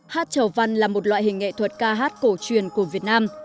hát chầu văn là một loại hình nghệ thuật ca hát cổ truyền của việt nam